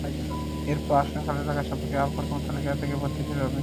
এরপর আসন খালি থাকা সাপেক্ষে অপেক্ষমাণ তালিকা থেকে ভর্তি শুরু হবে।